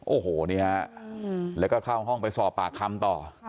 โอ้โหนี่ฮะแล้วก็เข้าห้องไปสอบปากคำต่อ